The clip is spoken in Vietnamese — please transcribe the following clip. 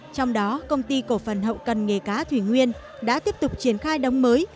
trong đó công ty cổ phần hậu cần nghề cá thủy nguyên đã tiếp tục triển khai đóng mới